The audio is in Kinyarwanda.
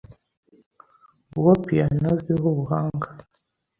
Uwo piyano azwiho ubuhanga.